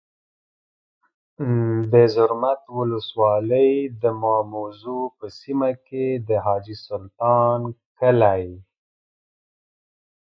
د زرمت ولسوالۍ د ماموزو په سیمه کي د حاجي سلطان کلی